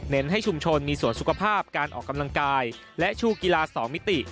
ให้ชุมชนมีส่วนสุขภาพการออกกำลังกายและชูกีฬา๒มิติ